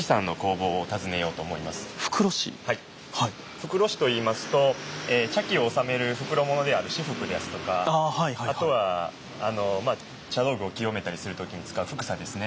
袋師といいますと茶器をおさめる袋物である仕覆ですとかあとは茶道具を清めたりする時に使う帛紗ですね。